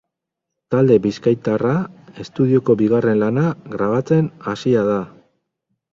Talde bizkaitarra estudioko bigarren lana grabatzen hasia da.